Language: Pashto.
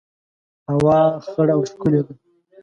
هوا خړه او ښکلي ده